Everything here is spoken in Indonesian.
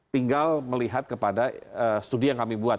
tinggal melihat kepada studi yang kami buat